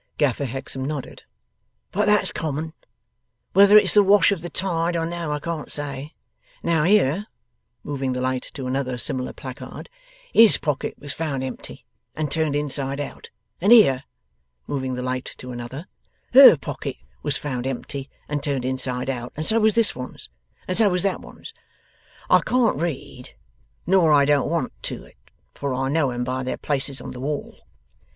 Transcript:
Gaffer Hexam nodded. 'But that's common. Whether it's the wash of the tide or no, I can't say. Now, here,' moving the light to another similar placard, 'HIS pockets was found empty, and turned inside out. And here,' moving the light to another, 'HER pocket was found empty, and turned inside out. And so was this one's. And so was that one's. I can't read, nor I don't want to it, for I know 'em by their places on the wall.